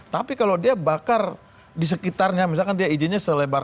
tapi kalau dia bakar di sekitarnya misalkan dia izinnya selebar